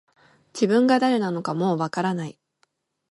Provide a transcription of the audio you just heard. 自分が誰なのかもう分からない